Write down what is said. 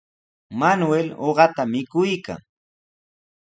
Manuel uqata mikuykan.